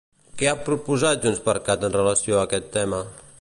Què ha proposat JxCat en relació a aquest tema?